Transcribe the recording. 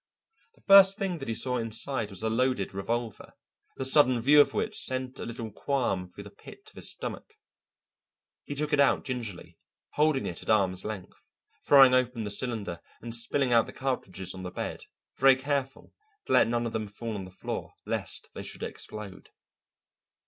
The first thing that he saw inside was a loaded revolver, the sudden view of which sent a little qualm through the pit of his stomach. He took it out gingerly, holding it at arm's length, throwing open the cylinder and spilling out the cartridges on the bed, very careful to let none of them fall on the floor lest they should explode.